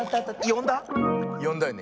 よんだよね？